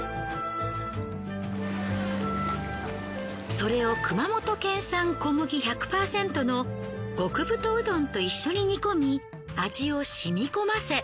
それを熊本県産小麦１００％の極太うどんと一緒に煮込み味をしみ込ませ。